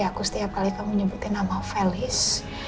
aku setiap kali kamu nyebutin nama felis